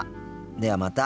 ではまた。